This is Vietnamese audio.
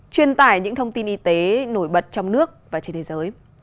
truyền tải những thông tin y tế nổi bật trong nước và trên thế giới